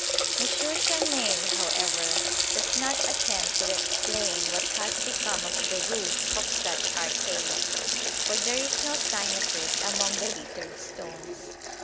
M. Charnay, however, does not attempt to explain what has become of the roof of such arcade, for there is no sign of it among the littered stones.